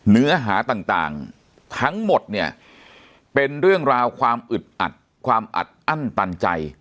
เนื้อหาต่างทั้งหมดเนี่ยเป็นเรื่องราวความอึดอัดความอัดอั้นตันใจ